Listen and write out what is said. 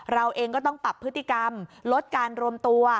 เราเองก็ต้องปรับพฤติกรรมลดการรวมตัว